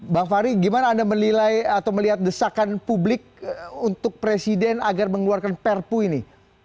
bang fahri bagaimana anda melihat desakan publik untuk presiden agar mengeluarkan perpu ini